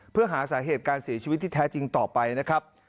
เพื่อหาสาเหตุการเสียชีวิตที่แท้จริงต่อไปนะครับ